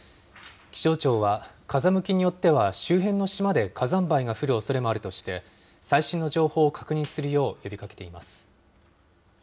気象庁は、風向きによっては周辺の島で火山灰が降るおそれもあるとして、最新の情報を確認するよう呼びかけています。